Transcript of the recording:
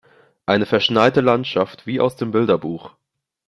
Eine verschneite Landschaft wie aus dem Bilderbuch.